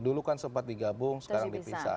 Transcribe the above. dulu kan sempat digabung sekarang dipisah